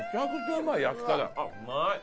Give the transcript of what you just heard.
うまい！